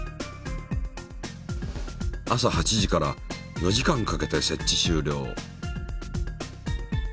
朝８時から４時間かけて設置終了。